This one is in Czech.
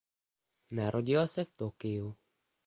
Narodila se v Tokiu.